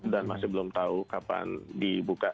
dan masih belum tahu kapan dibuka